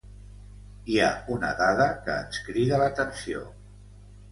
Hi ha una dada que ens crida l'atenció.